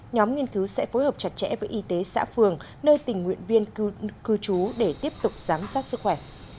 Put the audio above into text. nhóm nghiên cứu sẽ phối hợp chặt chẽ với y tế xã phường nơi tình nguyện viên cư trú để tiếp tục giám sát sức khỏe